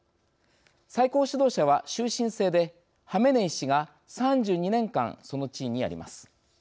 最高指導者は終身制でハメネイ師が３２年間その地位にあります。